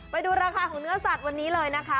ไปดูราคาของเนื้อสัตว์วันนี้เลยนะคะ